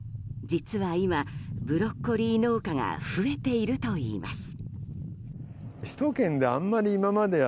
実は今、ブロッコリー農家が増えているといいます。